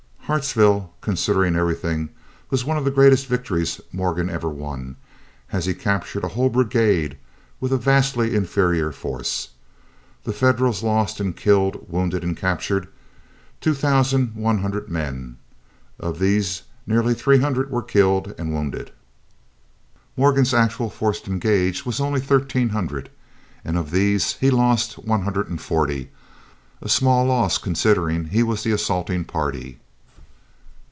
Hartsville, considering everything, was one of the greatest victories Morgan ever won, as he captured a whole brigade with a vastly inferior force. The Federals lost in killed, wounded, and captured two thousand one hundred men. Of these nearly three hundred were killed and wounded. Morgan's actual force engaged was only thirteen hundred, and of these he lost one hundred and forty, a small loss considering he was the assaulting party.